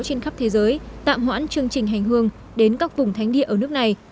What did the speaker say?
trên khắp thế giới tạm hoãn chương trình hành hương đến các vùng thánh địa ở nước này